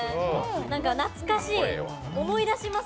なんか懐かしい、思い出します